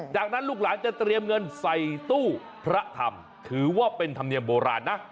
จากนั้นลูกหลานจะเตรียมเงินใส่ตู้พระธรรมถือว่าเป็นธรรมเนียมโบราณนะ